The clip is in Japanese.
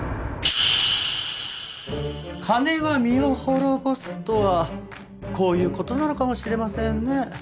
金は身を滅ぼすとはこういう事なのかもしれませんね。